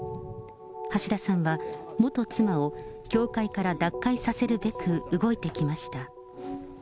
橋田さんは、元妻を教会から脱会させるべく動いてきました。